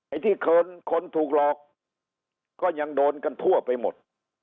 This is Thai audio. ไอ้ที่คนถูกหลอกก็ยังโดนกันทั่วไปหมด